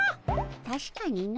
たしかにの。